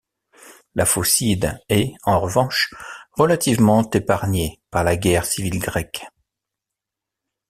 La Phocide est, en revanche, relativement épargnée par la guerre civile grecque.